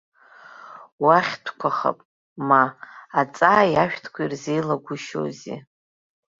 Уахьтәқәахап, ма, аҵааи ашәҭқәеи ирзеилагәышьоузеи.